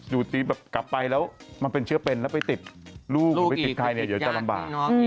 ตีแบบกลับไปแล้วมันเป็นเชื้อเป็นแล้วไปติดลูกหรือไปติดใครเนี่ยเดี๋ยวจะลำบาก